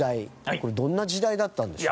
これどんな時代だったんでしょうか？